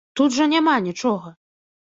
Тут жа няма нічога.